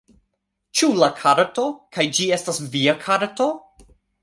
Ĉu la karto... kaj ĝi estas via karto...